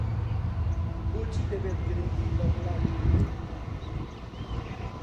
بۆچی دەبێت گرنگی بە بڵاگ بدەین؟